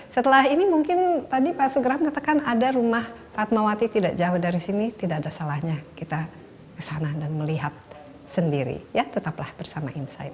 setelah ini mungkin tadi pak sugram katakan ada rumah fatmawati tidak jauh dari sini tidak ada salahnya kita kesana dan melihat sendiri ya tetaplah bersama insight